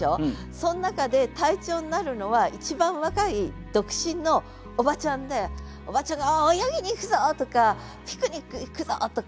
その中で隊長になるのは一番若い独身のおばちゃんでおばちゃんが「泳ぎに行くぞ！」とか「ピクニック行くぞ！」とか。